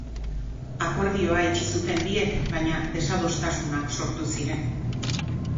Akordioa itxi zuten biek, baina desadostasunak sortu ziren.